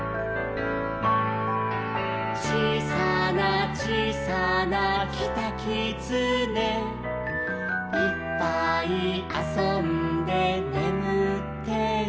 「ちいさなちいさなキタキツネ」「いっぱいあそんでねむってる」